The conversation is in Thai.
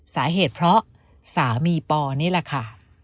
สาเหตุเพราะสามีปอนี่แหละค่ะ